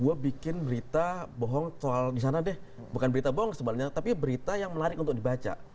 gue bikin berita bohong soal di sana deh bukan berita bohong sebenarnya tapi berita yang menarik untuk dibaca